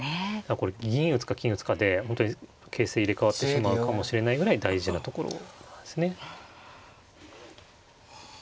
これ銀打つか金打つかで本当に形勢入れ代わってしまうかもしれないぐらい大事なところなんですね。